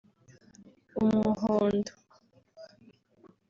umuhondo)